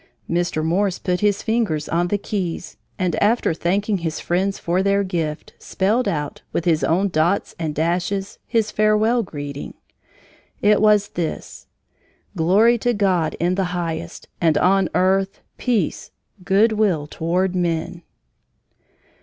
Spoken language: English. Mr. Morse put his fingers on the keys, and after thanking his friends for their gift, spelled out, with his own dots and dashes, his farewell greeting; it was this Glory to God in the highest, and on earth peace, good will toward men!